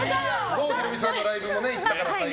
郷ひろみさんのライブ行ったから。